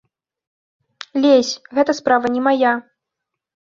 Лезь, гэта справа не мая.